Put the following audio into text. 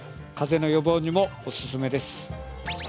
風邪の予防にもおすすめです。